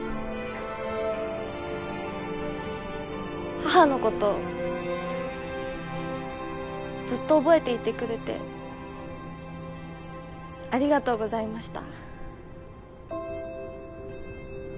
母のことずっと覚えていてくれてありがとうございました。